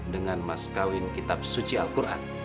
dengan mas kawin kitab suci al quran